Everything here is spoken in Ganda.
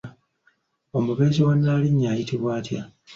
Omubeezi wa Nnaalinnya ayitibwa atya?